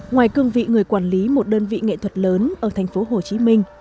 ngoài cương vị người quản lý một đơn vị nghệ thuật lớn ở thành phố hồ chí minh